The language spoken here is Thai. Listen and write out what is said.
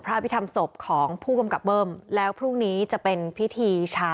อภิษฐรรมศพของผู้กำกับเบิ้มแล้วพรุ่งนี้จะเป็นพิธีชา